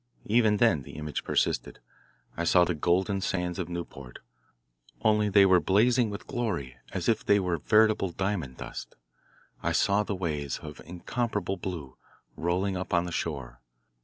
Even then the image persisted I saw the golden sands of Newport, only they were blazing with glory as if they were veritable diamond dust: I saw the waves, of incomparable blue, rolling up on the shore.